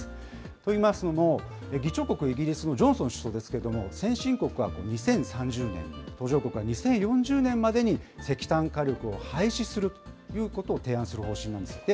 と言いますのも、議長国イギリスのジョンソン首相ですけれども、先進国は２０３０年、途上国は２０４０年までに石炭火力を廃止するということを提案する方針なんですって。